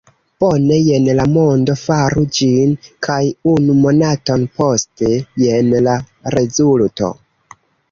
Bone, jen la mondo, faru ĝin! kaj unu monaton poste, jen la rezulto!